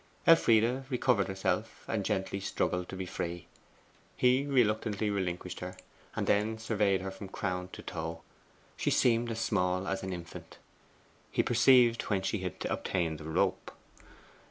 Elfride recovered herself, and gently struggled to be free. He reluctantly relinquished her, and then surveyed her from crown to toe. She seemed as small as an infant. He perceived whence she had obtained the rope.